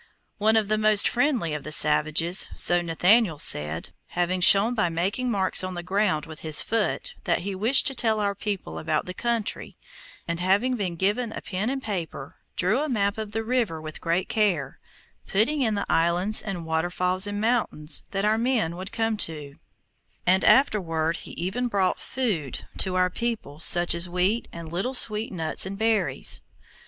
One of the most friendly of the savages, so Nathaniel said, having shown by making marks on the ground with his foot that he wished to tell our people about the country, and having been given a pen and paper, drew a map of the river with great care, putting in the islands and waterfalls and mountains that our men would come to, and afterward he even brought food to our people such as wheat and little sweet nuts and berries.